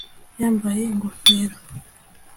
Yambaye ingofero